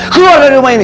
keluar dari rumah ini